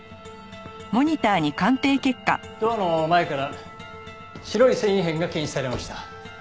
ドアの前から白い繊維片が検出されました。